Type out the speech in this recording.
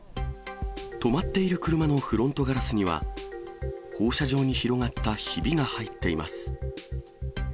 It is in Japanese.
止まっている車のフロントガラスには、放射状に広がったひびが入っています。